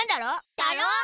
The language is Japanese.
だろう！？